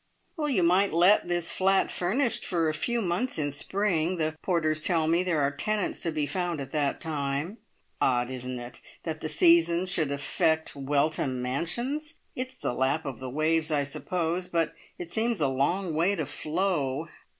"You might let this flat furnished for a few months in spring. The porters tell me there are tenants to be found at that time. Odd, isn't it, that the season should affect `Weltham Mansions'? It's the lap of the waves, I suppose, but it seems a long way to flow.